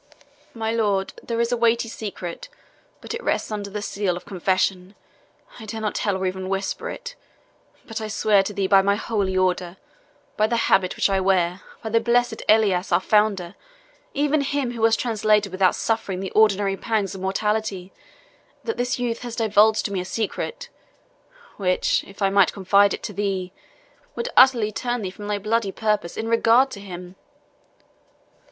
"My lord, there is a weighty secret, but it rests under the seal of confession. I dare not tell or even whisper it; but I swear to thee by my holy order, by the habit which I wear, by the blessed Elias, our founder, even him who was translated without suffering the ordinary pangs of mortality, that this youth hath divulged to me a secret, which, if I might confide it to thee, would utterly turn thee from thy bloody purpose in regard to him."